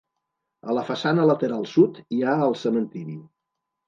A la façana lateral sud hi ha el cementiri.